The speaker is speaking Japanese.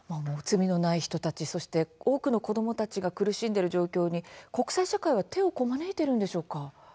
罪のない人たちそして多くの子どもたちが苦しんでいる状況に国際社会は手をこまねいているんでしょうか。